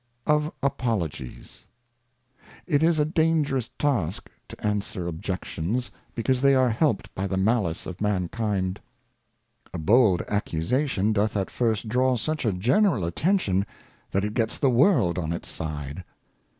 Of Apologies IT is a dangerous Task to answer Objections, because they are helped by the Malice of Mankind. A bold Accusation doth at first draw such a general Attention, that it gets the World on its side.